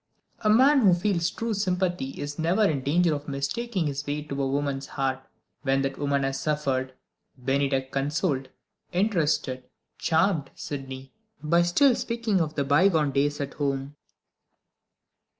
A man who feels true sympathy is never in danger of mistaking his way to a woman's heart, when that woman has suffered. Bennydeck consoled, interested, charmed Sydney, by still speaking of the bygone days at home.